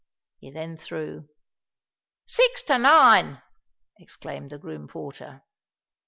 He then threw. "Six to nine!" exclaimed the groom porter.